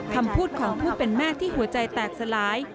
คำพูดของผู้เป็นแม่ที่หัวใจแตกสลาย